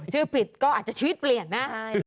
ผิดก็อาจจะชีวิตเปลี่ยนนะ